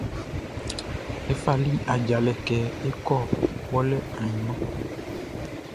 Ye fali ajalɛ kɛ é kɔ́ kpɔlɛ ainman.